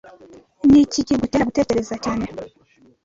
Ni iki kigutera gutekereza cyane